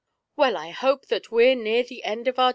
ELL, I hope that we're near the end of our